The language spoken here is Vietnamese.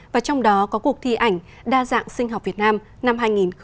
và trong đó có cuộc thi ảnh đa dạng sinh học việt nam năm hai nghìn hai mươi